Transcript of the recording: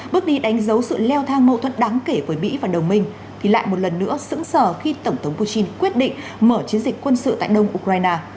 bước đi đánh dấu sự leo thang mâu thuẫn đáng kể với mỹ và đồng minh thì lại một lần nữa sỡng sờ khi tổng thống putin quyết định mở chiến dịch quân sự tại đông ukraine